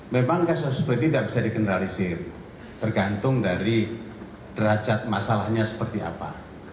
memang kasus seperti ini tidak bisa dikendalisir tergantung dari derajat masalahnya seperti apa